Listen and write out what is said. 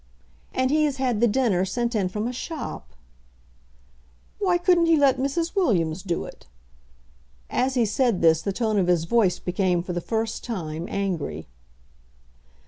"And he has had the dinner sent in from a shop." "Why couldn't he let Mrs. Williams do it?" As he said this, the tone of his voice became for the first time angry.